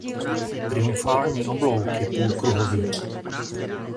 Triumfální oblouk je půlkruhový.